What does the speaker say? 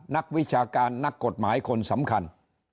นักวิชาการนักกฎหมายคนสำคัญ